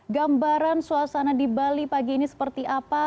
gambaran suasana di bali pagi ini seperti apa